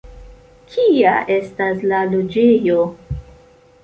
Kia estas la loĝejo?